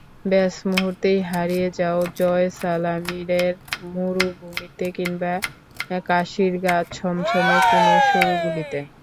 ব্যস, মুহূর্তেই হারিয়ে যাও জয়সালমিরের মরুভূমিতে কিংবা কাশীর গা-ছমছমে কোনো সরু গলিতে।